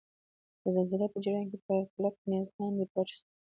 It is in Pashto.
د زلزلې په جریان کې تر کلک میز لاندې پټ شئ.